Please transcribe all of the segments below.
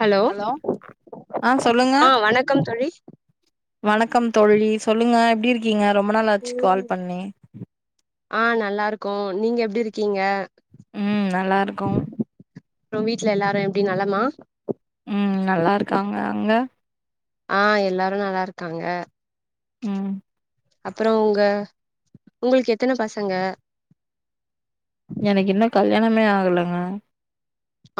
Hello ஆ சொல்லுங்க ஆ வணக்கம் தோழி வணக்கம் தோழி சொல்லுங்க எப்டி இருக்கீங்க ரொம்ப நாளாச்சு கால் பண்ணி ஆ நல்லாருக்கோ நீங்க எப்டி இருக்கீங்க ம் நல்லாருக்கோ அப்றோ வீட்டல எல்லாரு எப்டி நலமா ம் நல்லாருக்காங்க அங்க ஆ எல்லாரு நல்லாருக்காங்க ம் அப்றோ உங்க உங்ளுக்கு எத்தன பசங்க எனக்கு இன்னு கல்யாணமே ஆகலங்க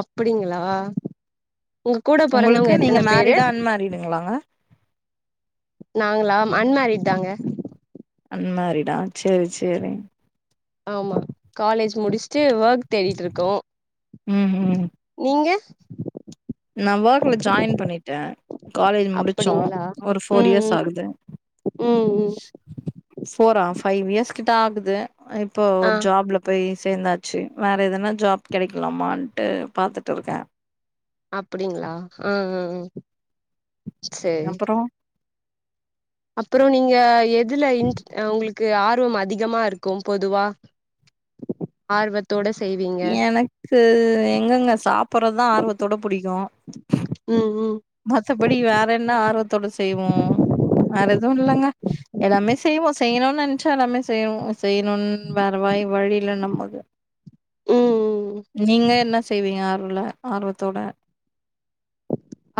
அப்டிங்ளா உங்க கூட பொறந்தவங்க எத்தன பேரு ன்மேரிடுங்ளாங்க நாங்ளா அன்மேரிட் தாங்க அன்மேரிடா சேரி சேரி ஆமா காலேஜ் முடிச் சேரி வர்க் தேடிட்டு இருக்கோ ம் ம் நீங்க நா வக்ல ஜாயின் பண்ணிட்டே காலேஜ் முடுச்சோ அப்டிங்களா ஒரு ம் ஃபோர் இயர்ஸ் ம் ஆகுது ம் ம் ஃபோரா ஃபைவ் இயர்ஸ் கிட்ட ஆகுது இப்போ ஆ ஒரு ஜாப்ல போய் சேந்தாச்சு வேற எதனா ஜாப் கெடைக்கலாமான்ட்டு பாத்துட்டு இருக்கே அப்டிங்ளா அ அ சேரி அப்பறோ அப்புறோ நீங்க எதுல இன்ட் உங்களுக்கு ஆர்வம் அதிகமா இருக்கு பொதுவா ஆர்வ த்தோட செய்வீங் எனக்கு எங்கங்க சாப்படுறதுதா ஆர்வத்தோட புடிக்கு ம் ம் மத்தபடி வேற என்ன ஆர்வத்தோட செய்வோ வேற எதுவு இல்லங்க எல்லாமே செய்வோ செய்யணுன்னு நெனச்சா எல்லாமே செய்வோ செய்யணுன்னு வேற வயி வழி இல்ல நமக்கு ம் நீங்க என்ன செய்வீங்க ஆர்வல ஆர்வத்தோட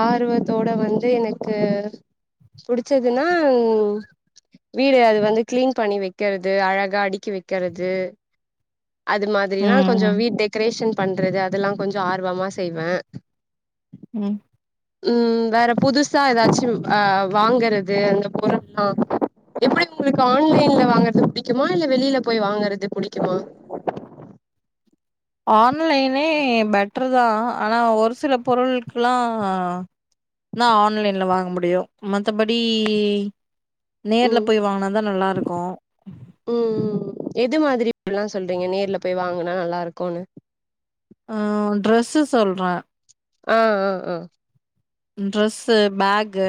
ஆர்வத்தோட வந்து எனக்கு புடிச்சதுன்னா வீடு அது வந்து கிளீன் பண்ணி வைக்கிறது அழகா அடிக்கி வைக்கிறது அது மாதிரினா கொஞ்சோ ம் வீட் டெக்கரேஷன் பண்றது அதெல்லா கொஞ்சோ ஆர்வமா செய்வ ம் ம் வேற புதுசா ஏதாச்சு ஆ வாங்கறது அந்த பொருல்லா எப்டி உங்களுக்கு ஆன்லைன்ல வாங்கறது புடிக்குமா இல்ல வெளியில போய் வாங்கறது புடிக்குமா ஆன்லைனே பெட்டர் தா ஆனா ஒரு சில பொருள்க்குல்லா னா ஆன்லைன்ல வாங்க முடியு மத்தபடி நேர்ல ம் போய் வாங்குனா தா நல்லாயிருக்கு ம் ம் எது மாதிரிப்பல்லா சொல்றீங்க நேர்ல போய் வாங்குனா நல்லா இருக்குன்னு ஆ ட்ரெஸ்ஸு சொல்றே ஆ ஆ ஆ ட்ரெஸ்ஸு பேக் கு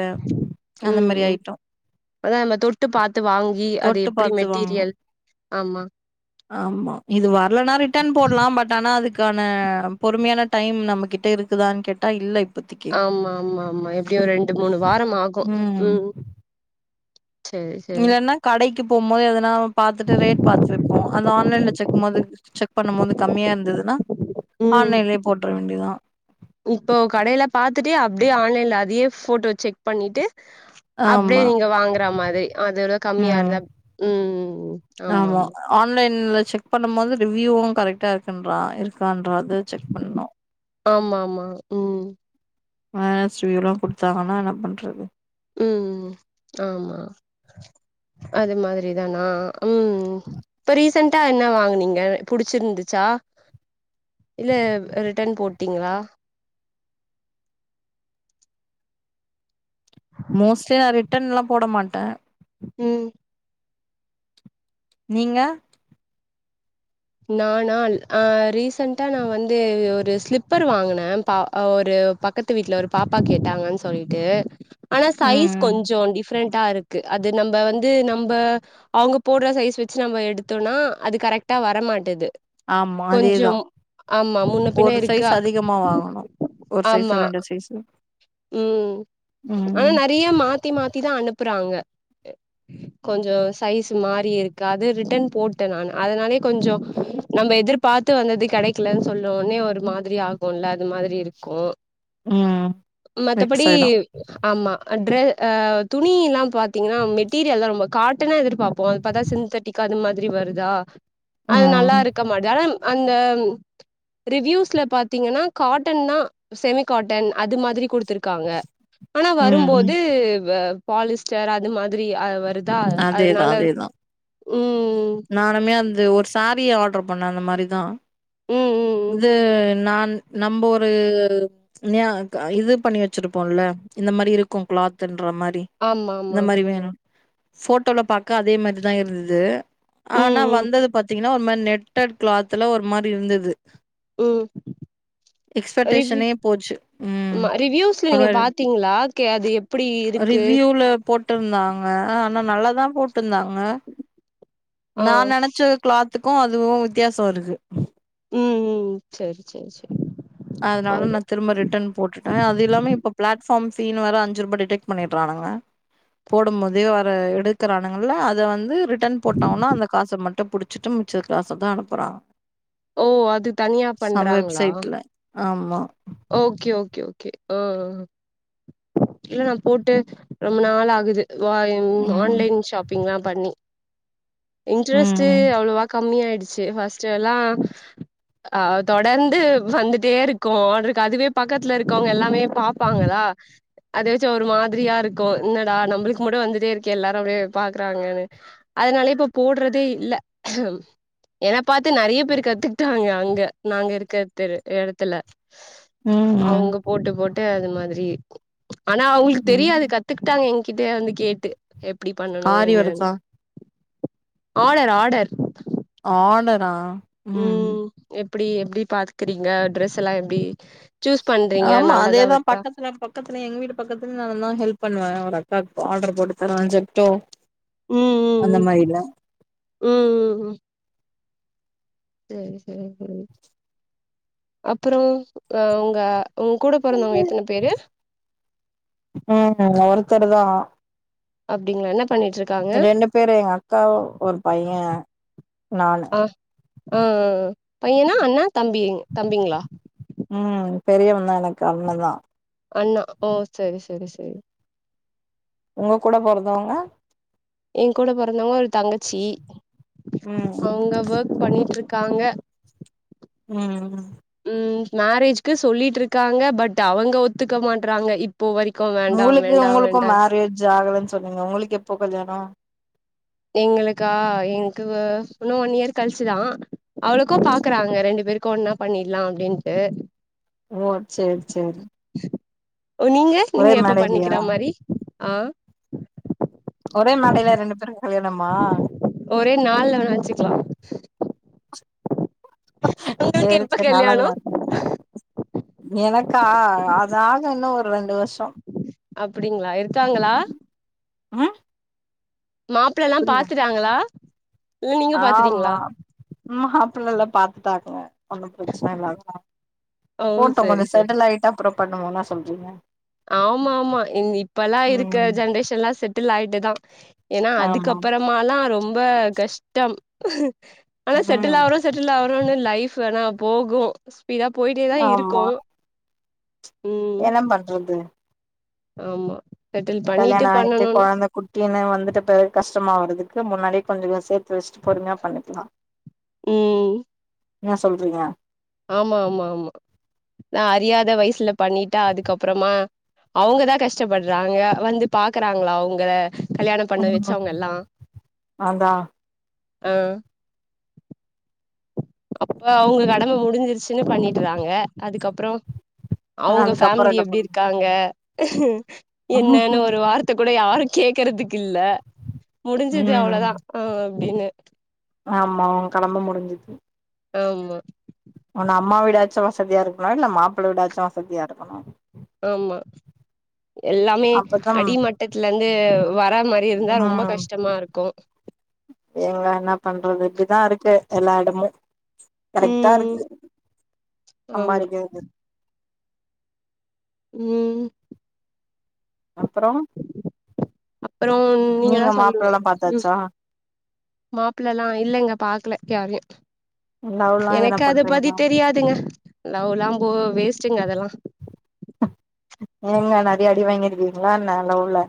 அந்த ம் மாரி ம் ஐட்டோ அதா நம்ம தொட்டு பாத்து வாங்கி அது தொட்டு எப்டி பாத்து வாங்கணு மெட்டீரியல் ஆமா ஆமா இது வர்லனா ரிட்டன் போட்லா பட் ஆனா அதுக் க்கான பொறுமையான டைம் நம்மகிட்ட இருக்குதான்னு கேட்டா இல்ல இப் ஆம் ஆம் ஆமா எப்டியு ரெண்டு மூணு வாரமாகூ ம் சேரி சேரி இல்லலென்னா கடைக்கு போம் போது எதனா பாத்துட்டு ரேட் பாத்து வெப்போ அது ஆன்லைன்ல செக் மோது செக் பண்ணு போது கம்மியா இருந்ததுன்னா ம் ஆன்லைன்லயே போட்ற வேண்டியதா இப்போ கடையில பாத்துட்டு அப்டியே ஆன்லைன்ல அதையே ஃபோட்டோ செக் பண்ணிட்டு அப்டியே ஆமா நீங்க வாங்குற மாரி அதுவெர கம்மியா ம் இருந்தா ம் ம் ம் ஆமா ஆமா ஆன்லைன்ல செக் பண்ணு போது ரிவ்யூவு கரெக்ட்டா இருக்குன்றா இருக்கான்றா அது செக் பண்ணு ஆமா ஆமா ம் மைனஸ் ரிவ்யூ எல்லா கொடுத்தாங்கன்னா என்ன பண்றது ம் ம் ம் ஆமா அது மாதிரி தா நா ம் இப்ப ரீசன்டா என்ன வாங்குனீங்க புடிச்சிருந்துச்சா இல்லவ் அ ரிட்டன் போட்டீங்களா மோஸ்ட்லி நா ரிட்டர்ன்லா போட மாட்டே ம் நீங்க நானால் அ ரீசண்ட்டா நா வந்து ஒரு ஸ்லிப்பர் வாங்குனே பா அ ஒரு பக்கத்து வீட்ல ஒரு பாப்பா கேட்டாங்கன்னு சொல்லிட்டு ஆனா ம் சைஸ் ம் கொஞ்சோ டிஃப்ரெண்டா இருக் அது நம்ப வந்து நம்ப அவங்க போடுற சைஸ் வெச்சு நம்ம எடுத்தோன்னா அது கரெட்டா வர ர மாட்டேது ஆமா கொஞ்சோ அதேதா ஆமா முன்ன பின்னா இருக்கா மா வாங்கணு ஒரு சைஸு ஆமா ரெண்டு சைஸு ம் ஆனா ம் நெறைய மா மாத்தி மாத்திதா அனுப்புறாங்க கொஞ்சோ சைஸ் மாரி இருக்காது ரிட்டன் போட்ட நானு அதுனாலே கொஞ்சோ நம்ம எதிர்பார்த்து வந்தது கெடைக்கலன் சொல்லுவோனே ஒரு மாதிரி ஆகுல அது மாதிரி இருக் ம் வெக்ஸ் மத்தபடி ஆயிடு ஆமா ட்ரெ துணியினா பாத்தீங்கன்னா மெட்டீரியல் தா ரொம்ப காட் டணா எதிர்பாப்போ அது பாத்தா சிந்தட்டிக்கா அது மாதிரி வருதா அது ம் நல்லாருக்க மாட்டுது ஆனா அந்த ரிவ்யூஸ்ல பாத்தீங்கன்னா காட்டன்னா செமிகாட்டன் அது மாதிரி குடுத்துருக்காங்க ஆனா ம் ம் வரும்போது பாலிஸ்டர் அது மாதிரி வருதா அதேதா அதனால அதேதா ம் நானுமே அந்த ஒரு சாரீய ஆட்ரு பண்ணே அந்த மாரி தா ம் ம் ம் இது நான் நம்ப ஒரு [unintelligible] க இது பண்ணி வச்சிருப்போம்ல இந்த மாரி இருக்கு க்ளாத்ன்ற மாரி ஆமா இந்த ஆமா மாரி வேணு போட்டோல பாக்க அதே மாத்ரிதா இருந்தது ஆனா ம் ம் வந்தது பாத்தீங்கன்னா ஒரு மாரி நெட்டட் க்ளாத்ல ஒரு மாரி இருந்தது ம் ரிவி எக்ஸ்பெக்டேஷனே போச்சு. ம். ம்ம ரிவ்யூஸ்ல ஒரு நீங்க மாரி பாத்திங்ளா கே அது எப் அப்புடி இருக்கு போட்டுர்ந்தாங்க ஆனா நல்லா தா போட்ருந்தாங்க ஆ நா நெனைச்ச க்ளாத்துக்கு அதுவு வித்தியாசோ இருக்கு ம் ம் செரி செரி செரி அதனால ந திரும்ப ரிட்டன் போட்டுட்டே அது இல்லாம இப்போ பிளாட்ஃபார்ம் பீனு வேற அஞ்சுருபா டிடெட் பண்ணிடுறானங்க போடும்போதே வர எடுக்குறானுங்கல அத வந்து ரிட்டன் போட்டோனா அந்த காச மட்டு புடுச்சுட்டு மிச்ச காச தா அனுப்புறாங் ஓ அது தனியா பண்றாங்களா ம்மா ஓகே ஓகே ஓகே ஆ இல்ல நா போட்டு ரொம்ப நாள் ஆகுது [unintelligible] ம். ஆன்லைன் ஷாப்பிங்லா பண்ணி இன்ட்ரெஸ்ட்டு ம். அவ்ளோவா கம்மி ஆய்டுச்சு ஃபஸ்ட் எல்லா அ தொடர்ந்து வந்துட்டே இருக்கு ஆட்ருக்கு அதுவே பக்கத்துல இருக்கவங்க எல்லாமே பாப்பாங்களா அதே வச்சே ஒரு மாதிரியா இருக்கு என்னடா நம்மளுக்கு மட்டு வந்துட்டே இருக்கே எல்லாரு அப்டியே பாக்குறாங்கன்னு அதனால இப்ப போடுறதே இல்ல என்னா பாத்து நெறைய பேருக் கத்துட்டாங்க அங்க நாங்க இருக்க தெரு எடத்துல ம். ம். அவுங்க போட்டு போட்டு அது மாதிரி ஆனா அவுங்களுக்கு தெரியாது ம். கத்துக்கிட்டாங்க என்கிட்ட வந்து கேட்டு எப்டி பண்ணனு ஆரி இன்னானு ஒர்க்கா? ஆடர் ஆடர் ஆடரா ம் எப்டி எப்டி பாத்துக்றீங்க ட்ரெஸ் எல்லா எப்டி சூஸ் பண்றீங்க ஆமா நல்லதா அதேதா வருதா பக்கத்துல [unintelligible] பக்கத்துல எங்க வீட்டு பக்கத்துல நா தா ஹெல்ப் பண்ணுவே ஒரு அக்காக்கு ஆர்டர் போட்டு தருவே ஜெப்ட்டோ ம் ம் அந்த ம் மாரில ம் ம் ம் அப்பறோ அ உங்க உங்க கூட பொறந்தவ்ங்க எத்தன பேரு ம் [inaudible] ஒருத்தரு தா அப்டிங்ளா என்ன பண்ணிட்ருக் ரெண்டு பேரு எங்க அக்கா ஒரு பையெ நானு ஆ ஆ ஆ ஆ பையனா அண்ணா தம்பி தம்பிங்களா ம் பெரியவந் தா எனக்கு அண்ணந்தா அண்ணா ஓ செரி செரி செரி ஒங்க கூட பொறந்தவங்க ஏங்கூட பொறந்தவ்ங்க ஒரு தங்கச்சி ம் ம் அவுங்க வோர்க் பண்ணிட்டு இருக்காங்க ம் ம் மேரேஜ்க்கு சொல்லிட்டு இருக்காங்க பட் அவுங்க ஒத்துக்க மாட்டறாங்க இப் ப்போ வரிக்கு அவர் உங்களுக்கு ஒங்களுக்கு மேரேஜ் ஆகலன் சொன்னீங்க ஒங்களுக்கு எப்போ கல்யாணொ எங்களுக்கா எங்களுக்கு இன்னு ஒன் இயர் கழிச்சுதா அவளுக்கோ பாக்குறாங்க ரெண்டு பேருக்கு ஒன்னா பண்ணிடலா அப்டிண்ட்டு ஓ சேரி சேரி ஓ நீங்க ஒரே நீங்க எப்ப மேடைலயா பண்ணிக்கிற மாரி ஆ ஒரே மேடையில ரெண்டு பேருக்கு கல்யாணமா ஒரே நாள்ல வேணா வச்சுக்குலா சேரி சேரி நல்லா தா இருக்கு [unintelligible] எனக்கா அது ஆகு இன்னு ஒரு ரெண்டு வருஷ் அப்டிங்களா இருக்காங்களா ம் மாப்பள்ளல்லா புரியுது பாத்துட்டாங்களா இல்ல நீங்க ஆமா பாத்துட்டீங்களா மாப்புள்ளல்லா பாத்துட்டாங்க ஒன்னும் ப்ரச்சன இல்ல தா ஓ போட்டு சரி கொஞ்சோ சரி செட்டில் ஆயிட்டு அப்றோ பண்ணுவோனா சொல்றீங்க ஆமா ஆமா இங் இப்ப எல்லா இருக்கற ம் ஜென்ரேஷன்ல்லா செட்டில் ஆயிட்டுதா ஏன்னா ஆமா அதுக்குப்புறமால்லா ரொம்ப கஷ்டம் ஆனா செட்டில் ம் ஆவறோ செட்டில் ஆவுரோனு லைஃபு ஆனா போகு ஸ்பீடா போயிட்டே தா இருக்கு ஆமா ம் என்ன பண்றது ஆமா செட்டில் கல்யாண பண்ணிட்டு ஆயிட்டு பண்ணணுனு கொழந்த குட் டீனு வந்துட்ட பிறகு கஷ்டமா ஆவறதுக்கு முன்னாடியே கொஞ்சோ சேத்து வச்சிட்டு பொறுமையா பண்ணிக்கலா ம் என்னா சொல்றீங்க ஆமா ஆமா ஆமா நா அறியாத வயசுல பண்ணிட்டா அதுக்கப்பறமா அவங்கதா கஷ்டப்பட்றாங்க வந்து பாக்குறாங்களா உங்கள கல்யாணோ பண்ண ம் வச்சவங்க எல்லா அதா ஆ அப்ப அவங்க கடம முடிஞ்சிருச்சுன்னு பண்ணிட்டுறாங்க அதுக்கப்பறோ அவுங்க அதுக்கப்றோ ஃபேமிலி என்ன எப்டி பண்ண இருக்காங் என்னன்னு ஒரு வார்த்த கூட யாரு கேக்குறதுக்கு இல்ல முடிஞ்சுது ம் அவ்ளோதா ஆ அப்டின்னு ஆமா அவங்க கடம முடிஞ்சுது ஆமா ஒன்னு அம்மா வீடாச்சு வசதியா இருக்கணு இல்ல மாப்பிள வீடாச்சு வசதியா இருக்கணு ஆமா எல்லாமே அப்பதா அடி மட்டத்துல இருந்து வர மாரி இருந்தா ரொம்ப கஷ்டமா இருக்கு எங்க என்னா பண்றது இப்டிதா இருக்கு எல்லா எடமு கரெக்ட்டா ம் இருக்கு ஆமா சம்பாரிக்கிறது ம் அப்பறோ அப்புறோம் நீங்க தா சொல்னு மாப்ளல்லா ம் பாத்தாச்சா மாப்பள்ளல்லா இல்லங்க பாக்கல யாரையு லவ்லா எதனா எனக்கு அத பத்தி பண்றீங்களா தெரியாதுங்க லவுல்லாம் போ வேஸ்ட்டுங்க அதல்லா ஏங்க நறைய அடி வாங்கி இருக்கீங்களா என்னா லவுல்ல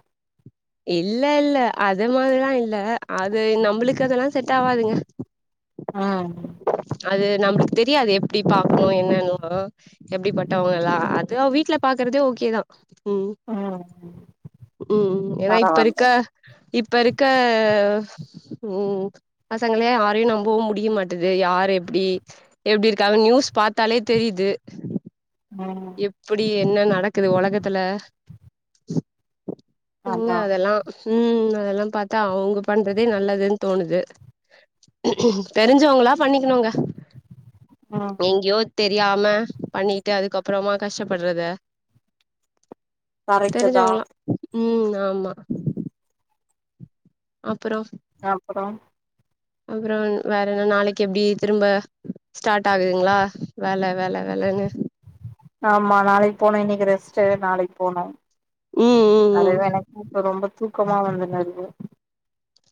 இல்ல இல்ல அது மாரில்லா இல்ல அது நம்பளுக்கு அதுலா செட் ஆவாதுங்க அ அது நம்மளுக்கு தெரியாது எப்டி பாக்கணு என்னன்லா ம் எப்டிப்பட்டவங்கல்லா அது அவ வீட்ல பாக்குறதே ஓகேதா ம் ம் ஏனா இப்ப பரவால்ல இருக்க இப்ப இருக்க ம் பசங்களையே யாரையு நம்பவு முடிய மாட்டேங்குது து யாரு எப்டி எப்டி இருக்காங்கன் நியூஸ் பாத்தாலே தெரிது ஆ இப்டி என்ன நடக்குது ஒலகத்துல இங்க அதா அதெல்லா ம் அதெல்லா பாத்தா அவுங்க பண்றதே நல்லதுன்னு தோணுது தெரிஞ்சவங்ளா பண்ணிக்குணுங்க அ எங்கயோ தெரியாம பண்ணிட்டு அதுக்கப்றோமா கஷ்டப்பறத கரெக்ட்டு தா தெரிஞ்சவங்களா ம் ஆமா அப்றோ அப்றோ அப்றோ வேற என்ன நாளைக்கு எப்டி திரும்ப ஸ்டார்ட் ஆகுதுங்களா வேல வேல வேலணு ஆமா நாளைக் போனு இன்னைக்கு ரெஸ்ட்டு நாளைக் போனு ம் ம் அது ம் எனக் இப்ப ரொம்ப தூக்கமா வந்துன்னுருக்கு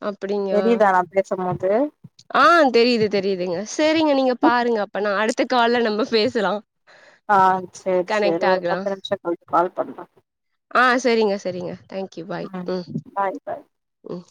அப்டிங்களா தெரியுதா நா பேச போது ஆ தெரியுது தெரியுதுங்க சேரிங்க நீங்க பாருங்க அப்பனா அடுத்த கால்ல நம்ம பேசலா ஆ சேரி சேரி கனெக்ட் ஒரு ஆகலா பத்து நிமிஷோ கழிச்சி கால் பண்ற ஆ சரிங்க சரிங்க தேங்க்யூ பாய் ம் பாய் பாய் ம்